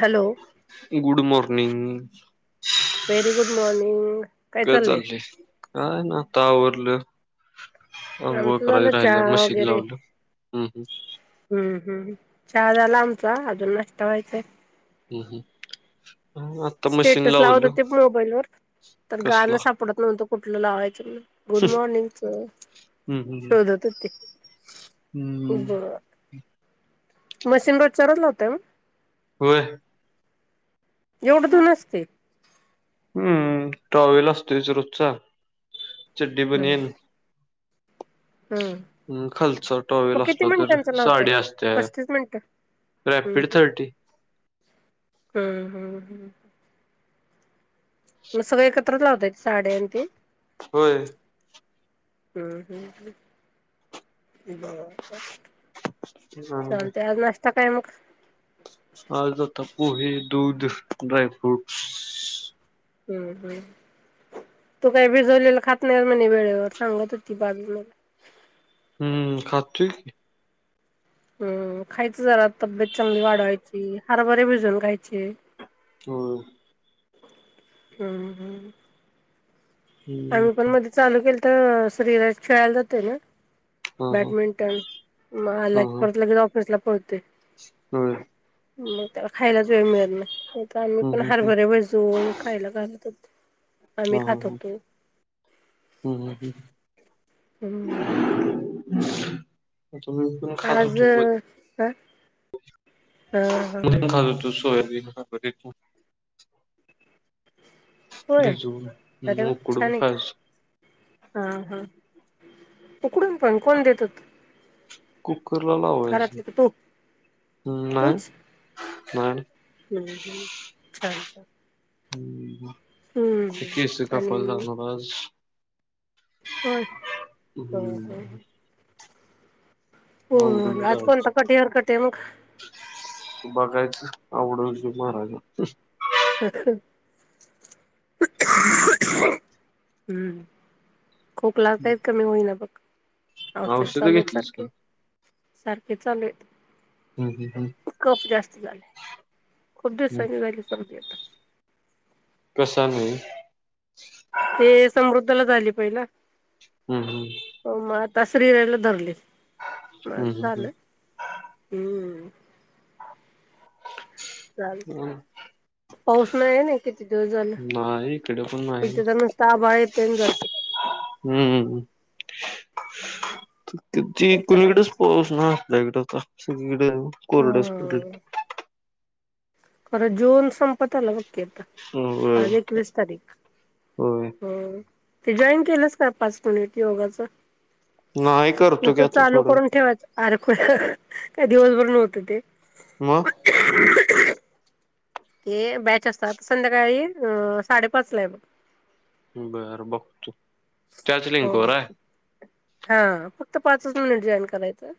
Hello good morning very good morning काय चाललंय काय ना तावरलं अ आमचं गोळकारी झालं राहिल्या चहा मशीन वगैरे लावलं हम्म हम् हम् चहा झाला आमचा अजून नाश्ता व्हायचाय हम् हम् स्टेटस लावत होते मोबाईल वर तर गाणं कसला सापडत नव्हतं कुठलं लावायचं म गुड मॉर्निंगच हम्म हम्म शोधत होते हम्म बर मशीन रोज चाारत लावते होय एवढ दोन असते हम्म ट्रॉवेल असतोच रोजचा चिड्डी पण हम्म येन हम्म ह् खालच मग टॉवेल किती असल तर मिनिटांच लावताय साडी असते पस्तीस मिनिटं हम्म रॅपिड थर्टी हम्म हम्म हम् मग सग एकत्र लावताय साडे आणि ते होय हम्म हम् ह आणि चालते आज नाश्ता काय मग आ जता पोहे दूध ड्रय फ्रूट हम्म हम्म तू काही भिजवलेलं खात नाही म्हणे वेळेवर सांगत होती बाबी मला हम्म खाततो की हम खायच जरा तब्येत चांगली वाढवायची हरभरे भिजून खायचे हम हम्म हम्म हम्म आम्ही पण मध्ये चालू केल तर शरीराात खेळाला जाते ना हा हा बॅडमिंटन म परत लगेच ऑफिसला पळते हो मग त्याला खायलाच वेळ मिळत नाही आम्ही हम्म पण हम्म हम्म हरभरे बजवून खायला घालत होत आम्ही हा हा हा खातोतो हम्म हम हम् हम्म ताु मी कोण खातो तु ह मदीम खजतो सोयान हेत होय बरर छान उकडून नाही खायच हा हा उकडून पण कोण देतात कुकर ला लावायचं हम् नाही तूच नाही हम्म हम्म छानछान हम्म एककीस का आणि फलला नबाज हो ह हम्म ह हो आवरून आज जायचं कोणता कटी हर कटी मग बघायच आवडल महाराज अ हम्म खोकला काय कमी होईना बघ औषध चालू आहेत घेतलीस का सारखे सारख हे चालूय हम्म हम्म, हम्म, कफ जास्त झाले खूप हम्म. दिसांनी झाली सब्जीता कसा नाही ते समृद्धला झाले पहिला हम्म हम्म तासरीरायला धरली मग हम्म, हम्म, झालं हम्म चालत हम पाऊस नाहीय ना किती दिवस झालं नाही इकडे पण नाही इथे तर नुसत आभाळ येत जाते हम्म किती काय कोणीकडेच करायचं पाऊस ना आपल्या इकडेता सगळी कोरड हॉस्पिटल हम्म खरं जून संपत आलाघ होय आज एकवीस तारीख होय हो ते जॉईन केलंस का पाच मिनिट योगाचं नाही न करतो की तर आता चालू थोडं करून ठेवायचं अरख काही दिवसभर नव्हतं ते म ते बॅच असतात संध्याकाळी अ साडेपाच ला आहे मग बरं बघतो चचलिंग हो खर हा फक्त पाचच मिनिट जॉईन करायचं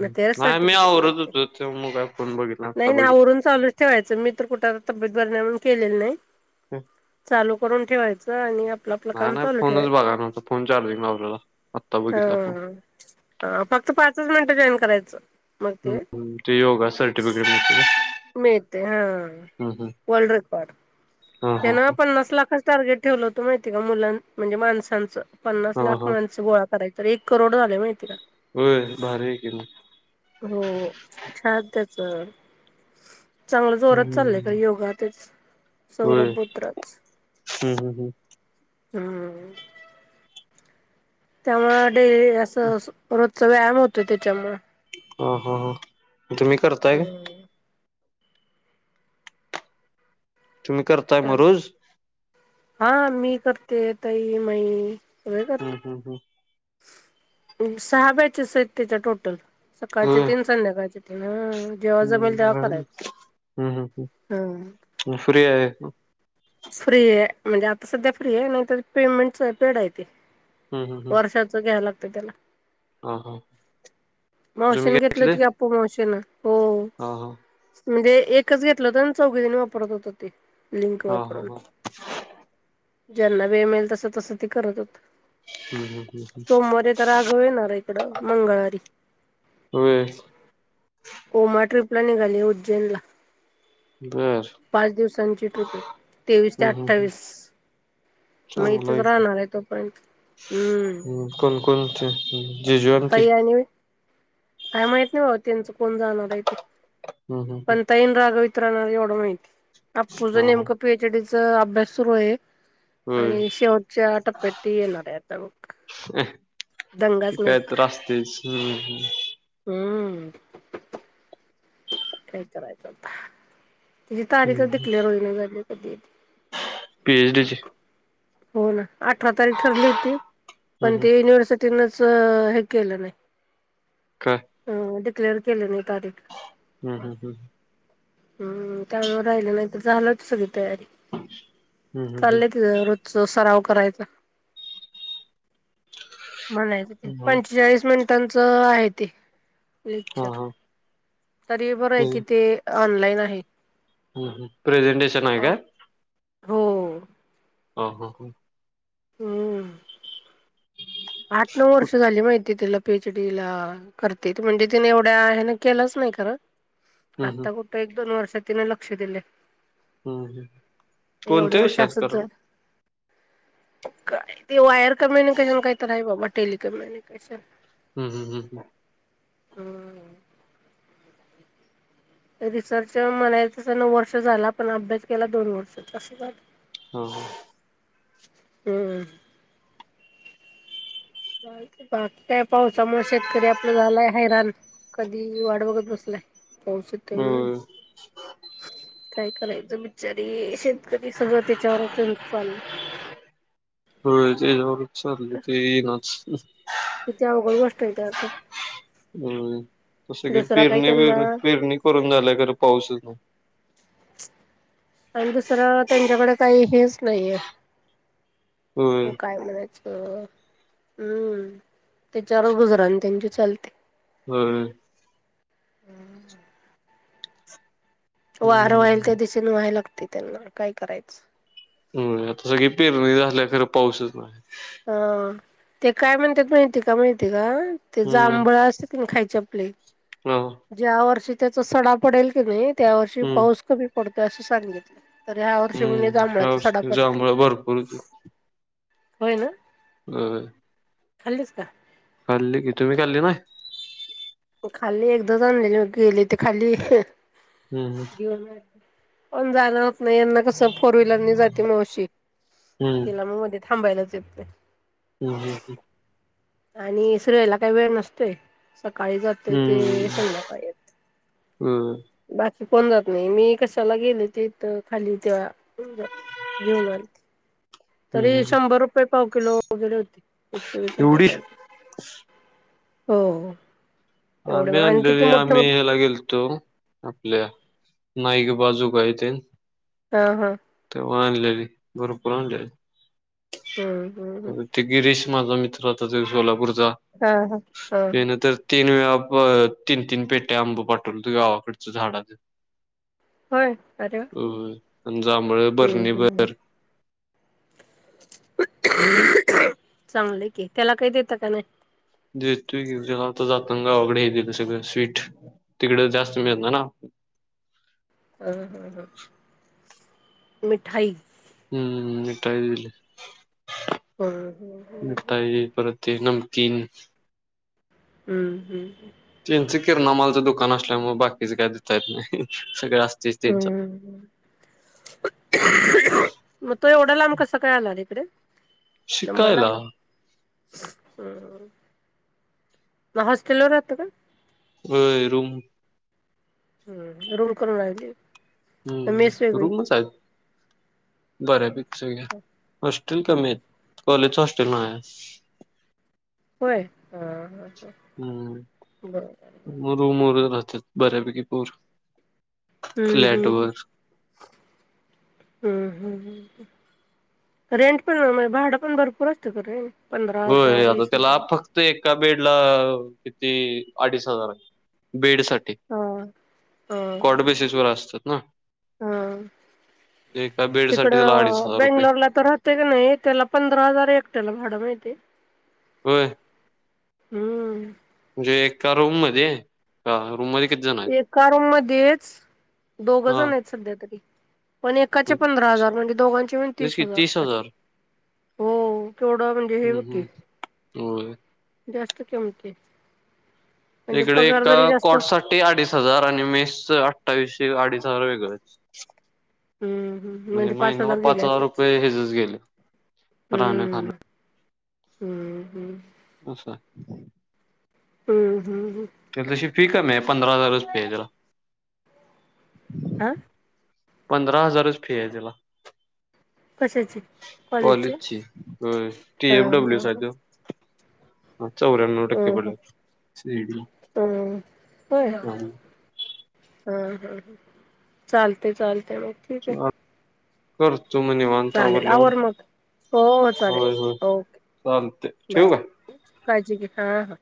म ते नाही मी सर्टिफिकेट मा आवरत होतो ते मग काय फोन बघितला आत्ता नाही नाही बघितला आवरवरून चालू ठेवायच मी कुठ तब ब के नाही चालू करून ठेवाय नाही नाही फोनच बघा नव्हत फोन चार्जिंग ला आपल्याला हाा फक्त पाचच मिनटं जॉईन करायचं मग ते हम् ते योगा सर्टिफिकेट मिळते हा वर्ल्ड रेकॉर्ड हा हा त्यान पण नसला कस टार्गेट ठेवलं होत माहिती का मुलां म्हणजे माणसांचं पन्नास हा लाख हा माणस गोळा कराय तर एक करोड झाले माहितीका. होय भारी आहे की हो. [unintelligible] सर चांगलं जोरात चाललंय का मग योगा तेच. सौरभत्रच. हम्म हम् हम्. हम्म. त्यामुळे डेली असं रोजचा व्यायाम होतोय त्याच्यामुळे. ह ह ह तुम्ही करताय का? हम्म तुम्ही करताय मग चाल रोज? हा मी करते तई मई. सगळे करतो हम हम हम. सहा बॅचेस आहेत त्याच्या टोटल. सकाळचे होय तीन संध्याकाळचे तीन हं जेव्हा जमेल तेव्हा करायचं. ह ह. [unintelligible] हा. फ्री आहे म्हणजे आता सध्या फ्री आहे, नाहीत पेमेंट पेड आहे ते. आहे वर्षाच घ्याव लागतं त्याला. हा हा तुम्ही मोशन घेतलं घेतले की आपोआप मोशन येत. हा ह. म्हणजे एकच घेतलं होत, आणि चौघने वापरत होत ते लिंक वापरत. हो हो. ज्यांना वेळ मिळेल तस तस त करत होत. हम् हम. सोमवारी तर आघव येणारय,, इकडं मंगळवारी.. होय हो म ट्रिप. ला निघाली उज्जैन ला,, बर पाच दिवसांची ट्रिपयऽऽ तेवीस ते अठ्ठावीस.. मग इथेच चांगलाय कि,, राहणार आहे तोपर्यंत हम्म म कोण कोण हुतेत.. जिजु आनी ती. ताई आणि काय माहित नाही बाबा,, त्यांचं कोण जाणार आहे ते,, हम्म हम्म पण ताई न रागव ईत राहणारऽ एवढं माहिती, अप्पू हम्म ज हा हा नेमकं पी, एच डी, च अभ्यास सुरू आयंऽऽ होय आणि आणि शेवच्टया टप्यात ती याणारय बुकऽऽ काय तर असस्तेच. हम्. हम्म, काही करायच आता? तची तारीख हम्म डिस्क्लेमर मुलींना जाल्या कधी ऽऽ पीएच डी ची हो ना, अठरा तारीख ठरली होती,, हम्म पण हम्म ते युनिव्हर्सिटीऽऽ तिनच, हे ऽऽकेलं नाही. काा. िक्लेअर केलं नाई. हम्म, हम्, हम्म, हम्,, त्यामुळे राहिलं नाहीतर झालं हुतं सगळंऽऽ री,, हम्म हम्म हम्म चालेत रोजचं सराव. करायच.. म्हणायचं ते,, हम्म हम्म पंचेचाळीस मिनिटांचं आहे ते... हा लेक्चर,, हा तरी बरं आय कि ते ऑनलाइन आहे.. ह, ह, प्रेझेंटेशन आहे काय? हो, हो, हो, हो. हम्म. आठ, नऊ कुठ वर्ष झाली माहि ती तिला पी एच डी ला करते ती, म्हणजे तिने एवढ्या ह्यान केलंच नाही खरं हम्म हम्म आता कुठं एक दोन वर्षात तिने लक्ष दिलय हम्म हम्म एवढी कोणत्या वर्ष विषयात असच कराल आहे काय ते वायर कम्युनिकेशन काही तर आहे बाबा, टेलिकम्युनिकेशन हम्म हम्म हम्म हम्म. हा. रिसर्च म्हणायच त्याला वर्ष झाल, पण अभ्यास केला दोन वर्ष. असं झालं हो. हम्म. बघ त्या पावसामुळे शेतकरी आपलं झालंय हैराण कधी येईल वाट बघत बसलाय पाऊस येतोय म्हनून, होय काय करायचं बिचारी शेत कधी सगळं त्याच्यावरच त्यांच चाललंय होय त्याच्यावरच चाललंय ते येईनाच किती आवघड गोष्ट हाय त्याला ते हम्म तसं कि पेरणी त्यांना वेरणी, पेरणी करून झाल्या खर पाऊस येतो. आणि दुसरं त्यांच्याकडे काही हेच नाहीये होय हो, काय म्हणायच हो, हम्म, तेच्यावर गुजरा अन त्यांची चालते व्हय. हम्म [unintelligible] वार वाहेल हम्म त्या दिशेने वायला लागतय त्यांना, म काय करायचं? हो, आता सगळी पेरणी झाल्या खर पाऊसच नाही हा, ते काय म्हणत्यात माहिती का, माहितीय का? ते हम्म जांभळा असंते की नाय खाय यचे आपले. हा ज्या वर्षी त्याचा सडा पडेल की नाही त्या वर्षी हम्म पाऊस कमी पडतोय असं सांगितलं तर ह्या वर्षी म्हणे हम्म जांभळाचा सडा यावर्षी पडलाय, जांभळ भरपूर होय ना? व्हय. खाल्लीस का? खाल्ली की, तुम्ही खल्ली नाय? हो, खाल्ली एकदाज आणलेली होती, दिली ती खाल्ली, हम्म घेऊन नाय पण जाण होत नाही यांना कस फोर व्हीलरनी जाते मावशी, तिला मग मध्ये थांबायलाच येत नाय हम्म हम्म हम्म. आणि श्रेयला काही वेळ नसतोय. सकाळी जाते हम्म हम्म ते संध्याकाळी येते होय आणि कोण जात नाही, मी कशाला गेली ते इथ खाली तेव्हा घेऊन आले, तरी हम्म शंभर रुपये पाव किलो वगैरे होती एकशेवीस रुपये एवढी पाव, हो हो. आम्ही आणलेली आम्ही ह्याला गेलतो, आपल्या नाईक बाजू का यतील हा हा. तेव्हा आणलेली, भरपूर आणलेली हम्म हम्म हा. ते गिरीश माझा मित्र होता जो सोलापूरचा, हा हा हा त्याने तर ते अह प तीन तीन पेट्या आंब पाठवलंते गावाकडच झाडाच होय, अरे वाह! आणि जांभळ बरणी हम्म ब हम्म. चांगलंय की, त्याला काही देत का नाही देतोय की, त्याला आता जाताना गावाकडे हे दिले सगळं स्वीट तिकडे जास्त मिळत नाही ना हम्म हम्म हम्म, मिठाई? हम्म्, मिठाई दिलंय हम्म हम्म हम्म मिठाई परत नमकीन हम्म हम् त्यांंच किरणामालचं दुकान असल्यामुळे बाकीचे काय दिता येत नाही, सगळे असते हम्म मग तो एवढा लाम कसं काय आला रे तिकडे? शिकायला! हम्म, मग हॉस्टेलवर राहतो का? व्हाय रूम हम्म, रूम करून राहिली हम्म मेस वेगळी रूमच आहेत, बऱ्यापैकी सगळ्या कॉलेजच हॉस्टेल न होय ह हम्म, मुरुमर राहतात बऱ्यापैकी पोर हम्म फ्लॅट हम् वर हम्म हम्म ह रेंट पण भाडं पण भरपूर असतं का? रेंट पंधरा हो, हजार आता वीस त्याला हजार फक्त एक बेडला किती अडीच हजार बेडसाठी हा हा कॉट हा बेसिस वर असतात ना हा एका बेड साठी त्याला अडीच तिकडं हजार रुपये बेंगलोरला तर राहते की नाही त्याला पंधरा हजार एकट्याला भाडं माहिती हो हम्म म्हणजे एका रूम मध्ये का रूम मध्ये किती जण आहेत एका रूम मध्येच दोघ हा जण आहेत सध्या तरी पण एकाचे मग पंधरा हजार म्हणजे दोघांचे पण तीस हजार असे हो चोडा म्हणजे हे हम्म पकी हम्म होय जास्त कमते इकडे एका कोॉट साठी अडीच हजार आणि मेस अठ्ठावीसशे अडीच हजार वेगळंच हम्म हम्म म्हणजे महिन्याला गेले पाच हजार असेच रुपये हजच गेले राहना खान हम्म हम्म हम्म अचछा हम्म हम्म हम्म तर तशी फी कमी आहे पंधरा हजार रच फी आहे जरा आह पंधरा हजारच फी आहे त्याला कशाची कॉलेजची टी हा एमडब्ल्यू हा सा हा चौरा्या्णव टके ह ह पला ह होय हा हा ह चालते चालत मग ठीक आहे कर तू म्हणेवांत चालेल आवरडल्यावर आवर मग हो हो होय हो चालेल चाते ठेव आहे काज के हा हा